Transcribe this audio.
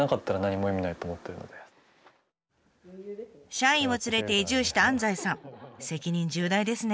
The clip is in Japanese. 社員を連れて移住した安西さん責任重大ですね。